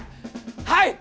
はい！